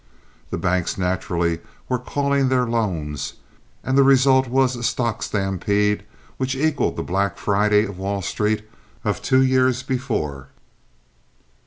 The banks naturally were calling their loans, and the result was a stock stampede which equaled the Black Friday of Wall Street of two years before.